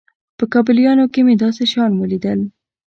په کابليانو کښې مې داسې شيان وليدل.